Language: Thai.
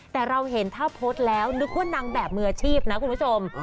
แต่เราเห็นถ้าโพสต์แล้วนึกว่านางแบบมืออาชีพนะคุณผู้ชม